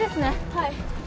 はい。